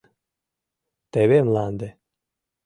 Теве мланде.